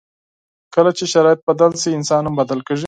کله چې شرایط بدل شي، انسان هم بدل کېږي.